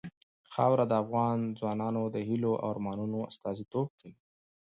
خاوره د افغان ځوانانو د هیلو او ارمانونو استازیتوب کوي.